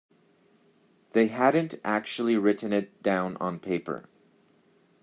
They hadn't actually written it down on paper.